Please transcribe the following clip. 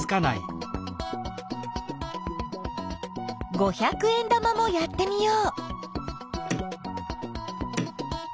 五百円玉もやってみよう。